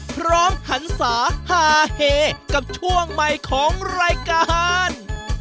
พร้อมหันสาหาเหกับช่วงใหม่ของรายการ